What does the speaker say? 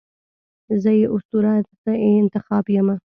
زه یې اسطوره، زه انتخاب یمه